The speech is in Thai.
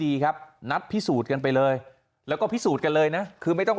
ครับนัดพิสูจน์กันไปเลยแล้วก็พิสูจน์กันเลยนะคือไม่ต้อง